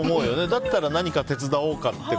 だったら何か手伝おうかって。